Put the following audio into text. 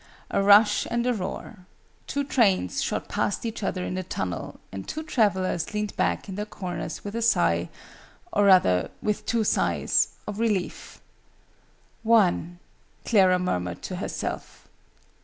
A rush and a roar. Two trains shot past each other in a tunnel, and two travellers leaned back in their corners with a sigh or rather with two sighs of relief. "One!" Clara murmured to herself.